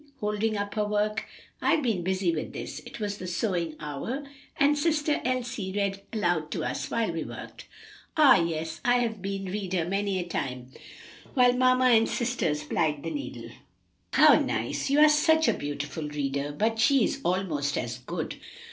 holding up her work. "I've been busy with this. It was the sewing hour, and sister Elsie read aloud to us while we worked." "Ah, yes! I have been reader many a time while mamma and sisters plied the needle." "How nice! you are such a beautiful reader! But she is almost as good."